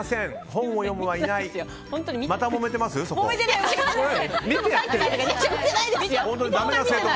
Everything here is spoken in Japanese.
本を読むはいないと。